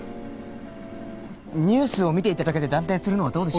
ニュースを見ていただけで断定するのはどうでしょうか。